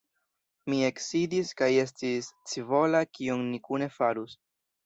Mi eksidis kaj estis scivola, kion ni kune farus.